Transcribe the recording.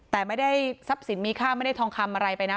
แต่ไม่ได้ทรัพย์สินมีค่าไม่ได้ทองคำอะไรไปนะ